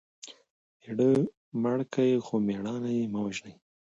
مېړه مړ کى؛ خو مړانه ئې مه وژنئ!